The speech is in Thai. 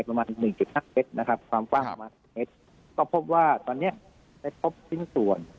ประมาณหนึ่งเจ็บหักเจ็บนะครับความว่าตอนเนี้ยได้พบชิ้นส่วน